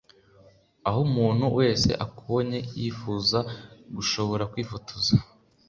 aho umuntu wese akubonye, yifuza gushobora kwifotoza